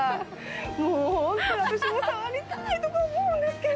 もう本当に私も触りたい！とか思うんですけど。